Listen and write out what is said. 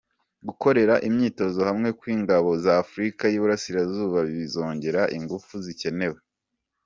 Gukorera imyitozo hamwe kw’Ingabo za Afurika y’Iburasirazuba bizongera ingufu zikenewe